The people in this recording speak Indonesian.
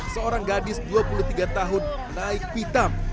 seorang gadis dua puluh tiga tahun naik pitam